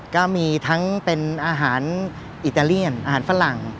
ก็มีทั้งเป็นอาหารอิตาเลียนอาหารฝรั่ง